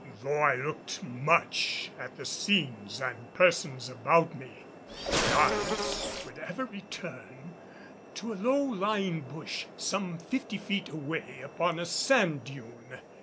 Though I looked much at the scenes and persons about me, my eyes would ever return to a low lying bush some fifty feet away upon a sand dune.